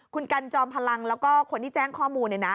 คุณกันจอมพลังแล้วก็คนที่แจ้งข้อมูล